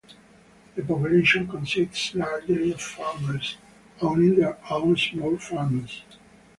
The population consists largely of farmers, owning their own small farms.